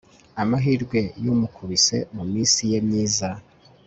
amahirwe yamukubise muminsi ye myiza